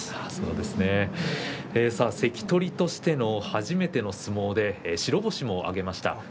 関取としての初めての相撲で白星も挙げました。